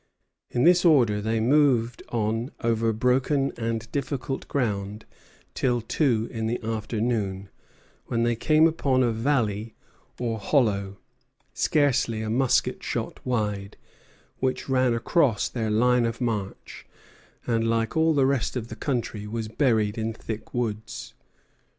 In this order they moved on over broken and difficult ground till two in the afternoon, when they came upon a valley, or hollow, scarcely a musket shot wide, which ran across their line of march, and, like all the rest of the country, was buried in thick woods.